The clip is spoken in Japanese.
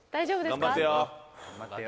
頑張ってよ。